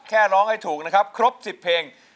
แค่ร้องให้ถูกนะครับครบ๑๐เพลง